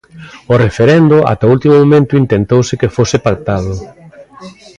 O referendo ata o último momento intentouse que fose pactado.